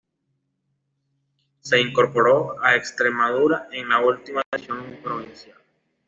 Se incorporó a Extremadura en la última división provincial.